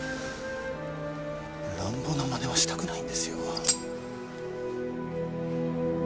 乱暴なまねはしたくないんですよ。